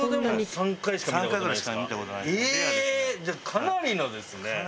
じゃあかなりのですね。